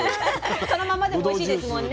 そのままでもおいしいですもんね。